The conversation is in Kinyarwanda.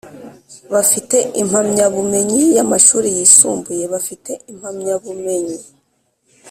Bafite impamyabumenyi y amashuri yisumbuye bafite impamyabumenyi